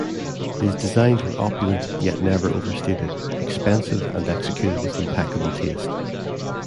His designs were opulent yet never overstated; expensive and executed with impeccable taste.